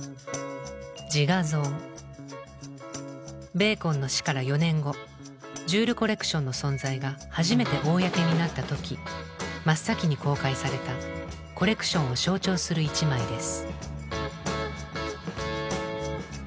ベーコンの死から４年後ジュール・コレクションの存在が初めて公になった時真っ先に公開されたコレクションを象徴する一枚です。